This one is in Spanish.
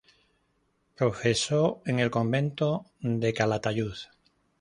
Profesó en el convento de Calatayud.